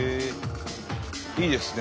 いいですね